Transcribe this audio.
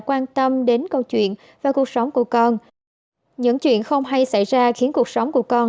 quan tâm đến câu chuyện và cuộc sống của con những chuyện không hay xảy ra khiến cuộc sống của con